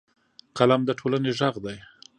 قلم د ټولنې غږ دی